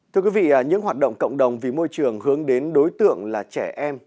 thưa quý vị những hoạt động cộng đồng vì môi trường hướng đến đối tượng là trẻ em